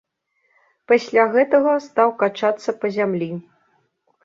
Пасля гэтага стаў качацца па зямлі.